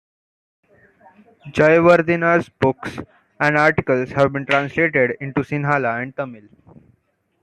Jayawardena's books and articles have been translated into Sinhala and Tamil.